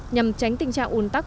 nhằm tránh tình trạng ùn tắc